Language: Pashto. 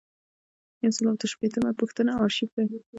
یو سل او اته شپیتمه پوښتنه آرشیف دی.